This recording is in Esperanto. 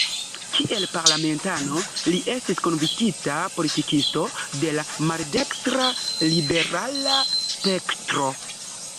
Kiel parlamentano li estis konvinkita politikisto de la maldekstra-liberala spektro.